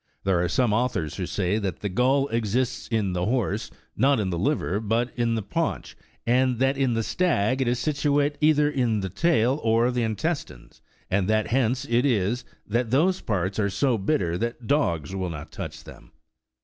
There are some authors who say that the gall exists in the horse, not in the liver, but in the paunch, and that in the stag it is situate either in the tail or the intestines ; and that hence it is, that those parts are so bitter that dogs will not touch them.